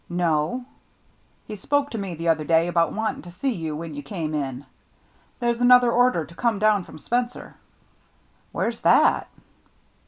" No." " He spoke to me the other day about wanting to see you when you came in. There's another order to come down from Spencer." "Where's that?"